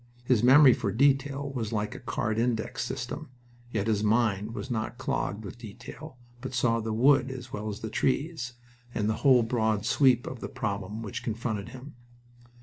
His memory for detail was like a card index system, yet his mind was not clogged with detail, but saw the wood as well as the trees, and the whole broad sweep of the problem which confronted him.